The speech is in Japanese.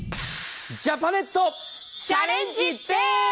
ジャパネットチャレンジデー！